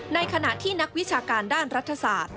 ในขณะที่นักวิชาการด้านรัฐศาสตร์